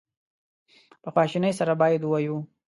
په خواشینی سره باید ووایو.